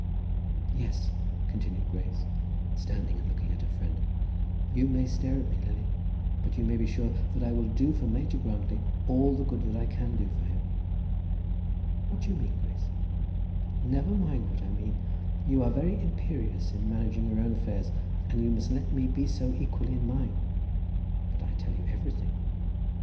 "Yes," continued Grace, standing and looking at her friend, "you may stare at me, Lily, but you may be sure that I will do for Major Grantly all the good that I can do for him." "What do you mean, Grace?" "Never mind what I mean. You are very imperious in managing your own affairs, and you must let me be so equally in mine." "But I tell you everything."